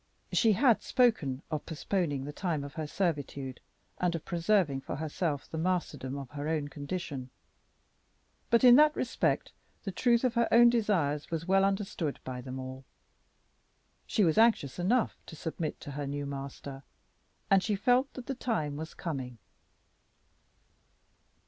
She had spoken of postponing the time of her servitude and of preserving for herself the masterdom of her own condition. But in that respect the truth of her own desires was well understood by them all. She was anxious enough to submit to her new master, and she felt that the time was coming.